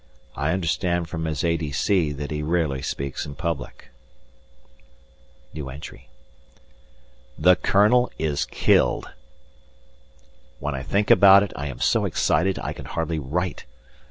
I understand from his A.D.C. that he rarely speaks in public. The Colonel is KILLED! When I think about it, I am so excited I can hardly write!